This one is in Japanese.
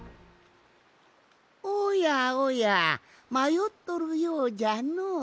おやおやまよっとるようじゃのう。